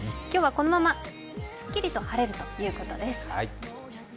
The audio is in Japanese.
今日はこのまますっきりと晴れるということです。